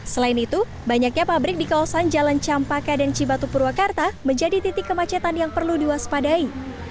selain itu banyaknya pabrik di kawasan jalan campaka dan cibatu purwakarta menjadi titik kemacetan yang perlu diwaspadai